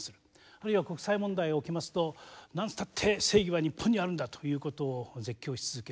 あるいは国際問題が起きますと「何て言ったって正義は日本にあるんだ」ということを絶叫し続ける。